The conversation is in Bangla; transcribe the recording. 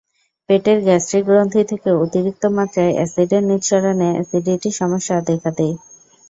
পেটের গ্যাস্ট্রিক গ্রন্থি থেকে অতিরিক্ত মাত্রায় অ্যাসিডের নিঃসরণে অ্যাসিডিটির সমস্যা দেখা দেয়।